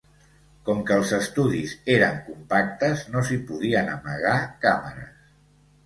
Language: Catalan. Com que els estudis eren compactes, no s'hi podien amagar càmeres.